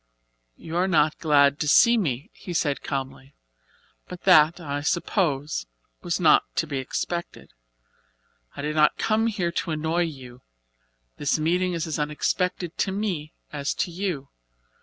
"You are not glad to see me," he said calmly, "but that, I suppose, was not to be expected. I did not come here to annoy you. This meeting is as unexpected to me as to you.